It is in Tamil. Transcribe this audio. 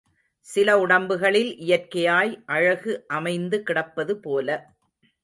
சில உடம்புகளில் இயற்கையாய் அழகு அமைந்து கிடப்பதுபோல